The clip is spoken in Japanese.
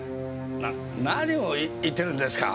な何を言ってるんですか？